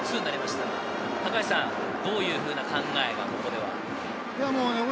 どういうふうな考えがここでは？